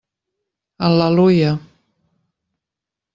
Al·leluia!